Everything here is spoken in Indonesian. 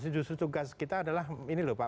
justru tugas kita adalah ini loh pak